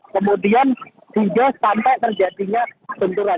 kemudian hingga sampai terjadinya jenduran